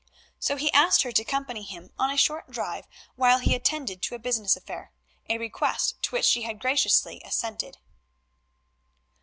So he asked her to accompany him on a short drive while he attended to a business affair; a request to which she had graciously assented.